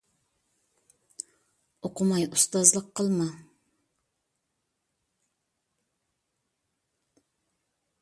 ئوقۇماي ئۇستازلىق قىلما.